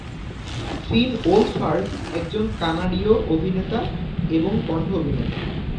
ফিন Wolfhard একজন কানাডীয় অভিনেতা এবং কন্ঠ অভিনেতা।